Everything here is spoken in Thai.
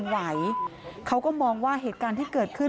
โชว์บ้านในพื้นที่เขารู้สึกยังไงกับเรื่องที่เกิดขึ้น